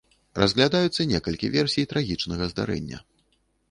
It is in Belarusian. Разглядаюцца некалькі версій трагічнага здарэння.